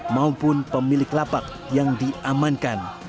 maupun pemilik lapak yang diamankan